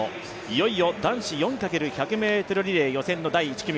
いよいよ男子４×１００ｍリレー予選の第１組。